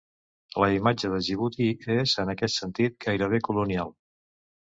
La imatge de Djibouti és, en aquest sentit, gairebé colonial.